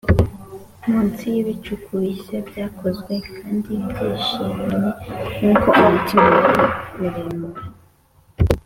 munsi yibicu bishya byakozwe kandi byishimye nkuko umutima wari muremure,